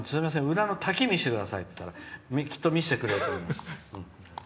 裏の滝を見せてくださいって言ったらきっと、見せてくれると思います。